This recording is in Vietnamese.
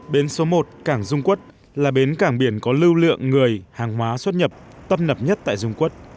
bến số một cảng dung quốc là bến cảng biển có lưu lượng người hàng hóa xuất nhập tâm nập nhất tại dung quốc